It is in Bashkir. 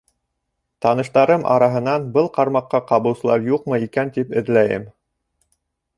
Таныштарым араһынан был ҡармаҡҡа ҡабыусылар юҡмы икән, тип эҙләйем.